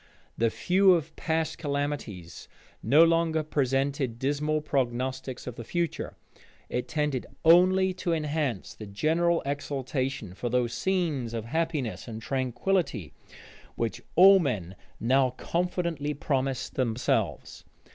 The view of past calamities no longer presented dismal prognostics of the future: it tended only to enhance the general exultation for those scenes of happiness and tranquillity which all men now confidently promised themselves.